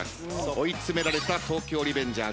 追い詰められた東京リベンジャーズ。